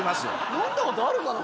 飲んだことあるかな？